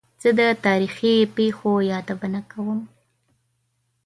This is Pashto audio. زه د تاریخي پېښو یادونه کوم.